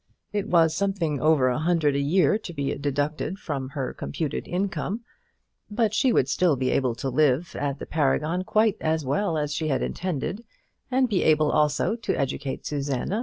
It was something over a hundred a year to be deducted from her computed income, but she would still be able to live at the Paragon quite as well as she had intended, and be able also to educate Susanna.